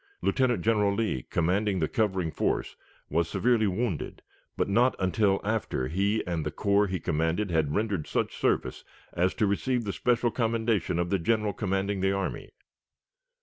Lieutenant General Lee, commanding the covering force, was severely wounded, but not until after he and the corps he commanded had rendered such service as to receive the special commendation of the General commanding the army.